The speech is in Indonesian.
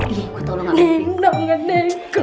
iya gue tau lo gak peduli